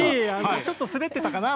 ちょっと滑ってたかな。